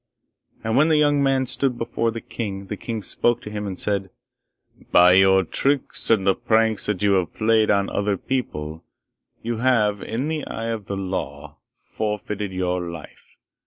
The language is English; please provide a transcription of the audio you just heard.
And when the young man stood before the king, the king spoke to him and said, 'By your tricks and the pranks that you have played on other people, you have, in the eye of the law, forfeited your life.